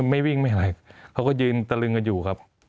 มีความรู้สึกว่ามีความรู้สึกว่ามีความรู้สึกว่า